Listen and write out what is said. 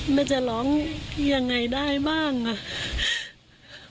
แม่จะร้องยังไงได้บ้างค่ะ